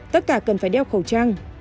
tất cả cần phải đeo khẩu trang